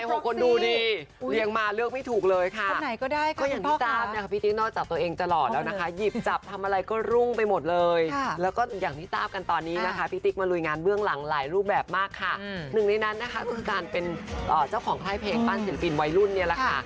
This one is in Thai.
หนึ่งในนั้นนะคะก็คือการเป็นเจ้าของไข้เพลงปั้นศิลปินไวรุ่นเนี่ยแหละค่ะ